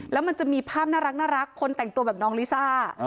แล้วมันจะมีภาพน่ารักคนแต่งตัวแบบน้องลิซ่า